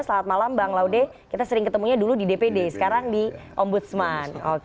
selamat malam bang laude kita sering ketemunya dulu di dpd sekarang di ombudsman